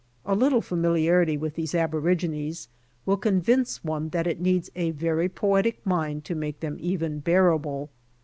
A little familiai'ity with these aborigines will convince one that it needs a very poetic mind to make them even bearable.